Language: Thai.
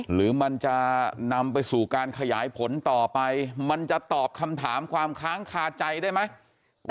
หรือมันจะนำไปสู่การขยายผลต่อไปมันจะตอบคำถามความค้างคาใจได้ไหม